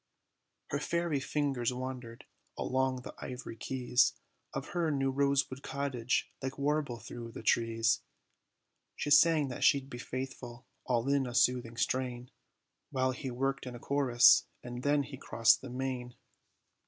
Her fairy fingers wandered, along the ivory keys, Of her new rosewood cottage, like warble thro' the trees; She sang, that she'd be faithful, all in a soothing strain, While he worked in a chorus and then he crossed the main.